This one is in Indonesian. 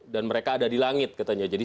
dan mereka ada di langit katanya jadi